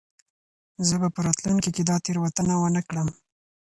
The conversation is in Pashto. زه به په راتلونکې کې دا تېروتنه ونه کړم.